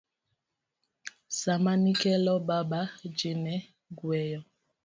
Sama nikelo baba ji ne gweyo.